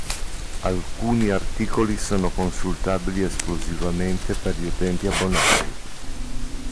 Alcuni articoli sono consultabili esclusivamente per gli utenti abbonati.